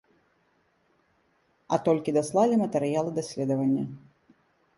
А толькі даслалі матэрыялы даследавання.